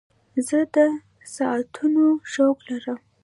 زه د ساعتونو شوق لرم.